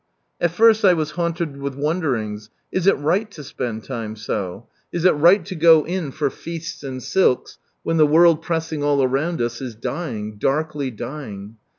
At first I was haunted with wonderings — Is it right to spend time so? Is it right to go in for feasts and silks, when the world pressing all around us is dying, darkly dying